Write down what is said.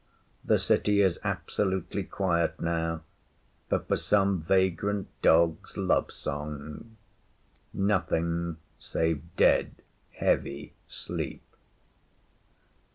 The city is absolutely quiet now, but for some vagrant dog’s love song. Nothing save dead heavy sleep.